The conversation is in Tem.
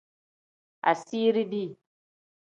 Asiiri dii.